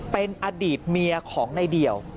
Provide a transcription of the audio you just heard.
เป็นอดีตเมียของในเดี่ยว